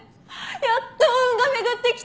やっと運が巡ってきた！